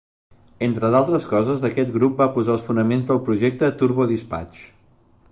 Entre d'altres coses, aquest grup va posar els fonaments del projecte Turbo Dispatch.